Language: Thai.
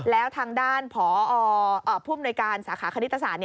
แล้วทางด้านพอผู้อำนวยการสาขาคณิตศาสตร์